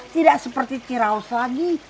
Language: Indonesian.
tidak seperti ciraus lagi